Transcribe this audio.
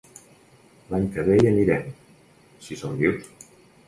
L'any que ve hi anirem, si som vius.